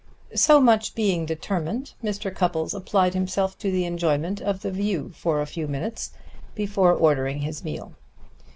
So much being determined, Mr. Cupples applied himself to the enjoyment of the view for a few minutes before ordering his meal.